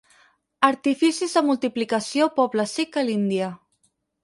Artificis de multiplicació poble sikh a l'Índia.